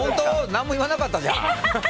何も言わなかったじゃん。